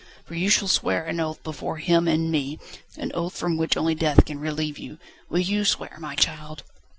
For you shall swear an oath before Him and me, an oath from which only death can relieve you. Will you swear, my child?"